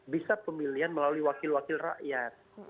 bisa pemilihan melalui wakil wakil rakyat